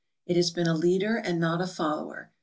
It has been a leader and not a fol lower.